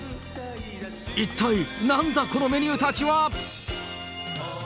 一体なんだ、このメニューたちは？